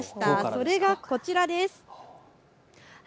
それがこちらです。